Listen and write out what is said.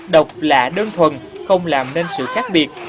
độc là đơn thuần không làm nên sự khác biệt